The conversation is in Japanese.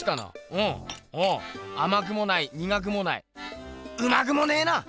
うんおおあまくもないにがくもないうまくもねえな！